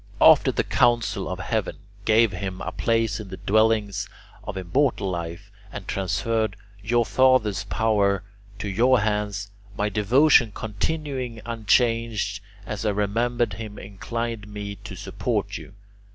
After the council of heaven gave him a place in the dwellings of immortal life and transferred your father's power to your hands, my devotion continuing unchanged as I remembered him inclined me to support you.